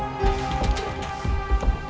tidak ada yang bisa dihukum